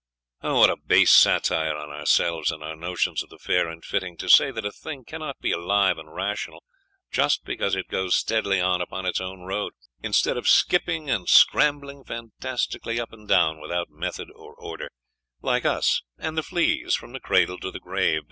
Oh, what a base satire on ourselves and our notions of the fair and fitting, to say that a thing cannot be alive and rational, just because it goes steadily on upon its own road, instead of skipping and scrambling fantastically up and down without method or order, like us and the fleas, from the cradle to the grave!